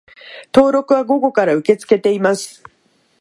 登録は午後から受け付けています